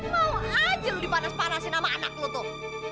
mau aja lu dipanas panasin sama anak lo tuh